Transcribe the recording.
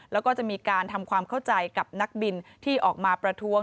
แล้วก็จะมีการทำความเข้าใจกับนักบินที่ออกมาประท้วง